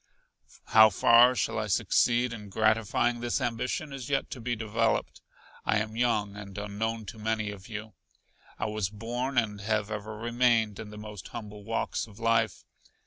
How far I shall succeed in gratifying this ambition is yet to be developed. I am young and unknown to many of you. I was born, and have ever remained, in the most humble walks of life.